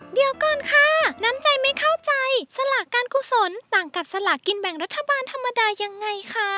เดี๋ยวก่อนค่ะน้ำใจไม่เข้าใจสลากการกุศลต่างกับสลากกินแบ่งรัฐบาลธรรมดายังไงคะ